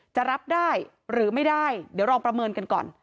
จะรับได้หรือไม่ได้เดี๋ยวลองประเมินกันก่อน